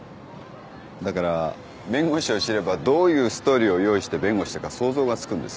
だから弁護士を知ればどういうストーリーを用意して弁護したか想像がつくんです。